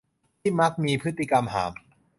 ที่มักมีพฤติกรรมห่าม